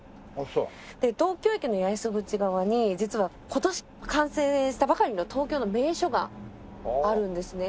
東京駅の八重洲口側に実は今年完成したばかりの東京の名所があるんですね。